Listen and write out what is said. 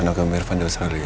anaknya mirvan dari australia